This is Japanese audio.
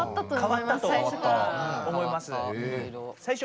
かわったと思います。